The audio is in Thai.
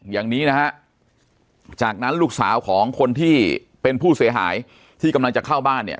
อย่างนี้นะฮะจากนั้นลูกสาวของคนที่เป็นผู้เสียหายที่กำลังจะเข้าบ้านเนี่ย